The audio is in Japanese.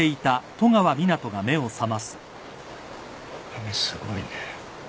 雨すごいね。